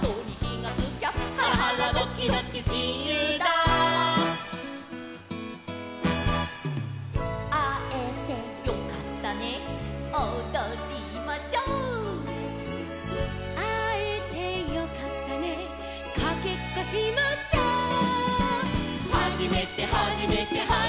「ハラハラドキドキしんゆうだ」「あえてよかったねおどりましょう」「あえてよかったねかけっこしましょ」「はじめてはじめてはじめてはじめて」